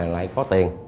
lại có tiền